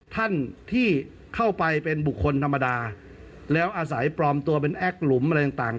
ท่านที่เข้าไปเป็นบุคคลธรรมดาแล้วอาศัยปลอมตัวเป็นแอคหลุมอะไรต่าง